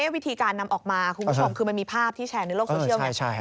วิธีการนำออกมาคุณผู้ชมคือมันมีภาพที่แชร์ในโลกโซเชียลไง